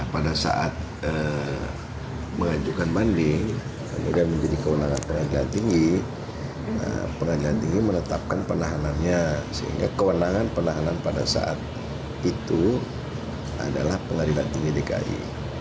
pada saat mengajukan banding kemudian menjadi kewenangan pengadilan tinggi pengadilan tinggi menetapkan penahanannya sehingga kewenangan penahanan pada saat itu adalah pengadilan tinggi dki